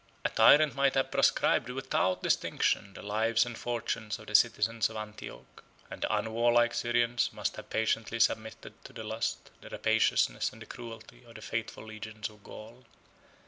A tyrant might have proscribed, without distinction, the lives and fortunes of the citizens of Antioch; and the unwarlike Syrians must have patiently submitted to the lust, the rapaciousness and the cruelty, of the faithful legions of Gaul.